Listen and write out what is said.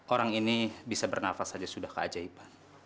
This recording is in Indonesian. orang ini bisa bernafas saja sudah keajaiban